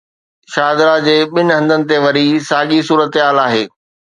شاهدره جي ٻن هنڌن تي وري ساڳي صورتحال آهي.